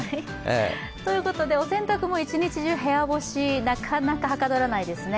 お洗濯も一日中、部屋干しなかなかはかどらないですね。